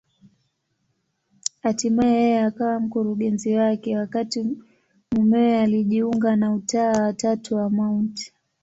Hatimaye yeye akawa mkurugenzi wake, wakati mumewe alijiunga na Utawa wa Tatu wa Mt.